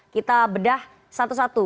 kita bedah satu satu